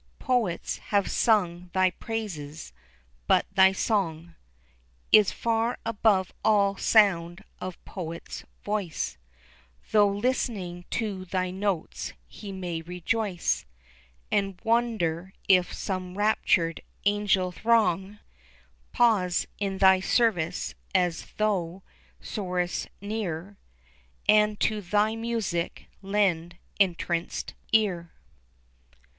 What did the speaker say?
Poets have sung thy praises; but thy song Is far above all sound of poet's voice, Though listening to thy notes he may rejoice, And wonder if some raptured angel throng Pause in their service as thou soarest near, And to thy music lend entrancèd ear.